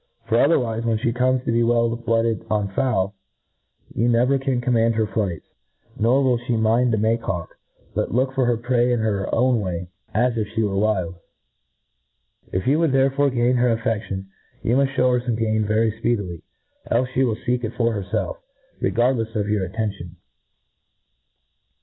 For, othcrwife^^ when fhe comes to be well blooded on fowl, you, never can * command her flights ;. nor will fhe mind a make ha\yk, but look for her prey in her. pwn way, as if flie were wild. If you would there fore gain her aflfeftion, you mufllhew her game very fpeedily, elfe fhe will feek it for herfetf, re • gardlefs of your attention.